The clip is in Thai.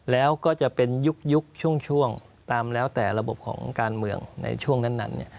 แล้วก็จะเป็นยุคช่วงตามแล้วแต่ระบบของการเมืองในช่วงนั้น